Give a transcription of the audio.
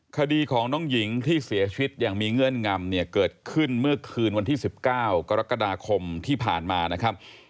คดีของน้องหญิงที่เสียชีวิตอย่างมีเงื่อนงำเนี่ยเกิดขึ้นเมื่อคืนวันที่๑๙กรกฎาคมที่ผ่านมานะครับ